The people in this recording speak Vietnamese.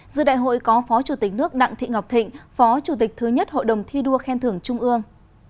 giữa đại hội có phó chủ tịch nước đặng thị ngọc thịnh phó chủ tịch thứ nhất hội đồng thi đua khen thưởng trung ương